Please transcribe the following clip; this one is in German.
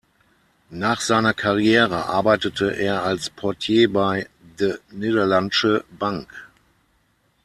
Nach seiner Karriere arbeitete er als Portier bei De Nederlandsche Bank.